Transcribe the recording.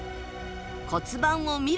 骨盤を見る！